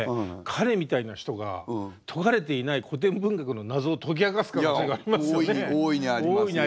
彼みたいな人が解かれていない古典文学の謎を解き明かす可能性がありますよね。